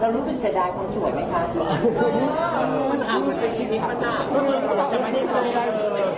เรารู้สึกสายดายคนสวยมั้ยคะคุณ